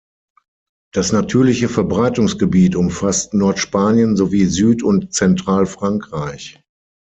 Das natürliche Verbreitungsgebiet umfasst Nordspanien sowie Süd- und Zentralfrankreich.